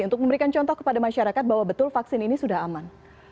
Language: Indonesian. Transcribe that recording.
untuk memberikan contoh kepada masyarakat bahwa betul vaksin ini sudah aman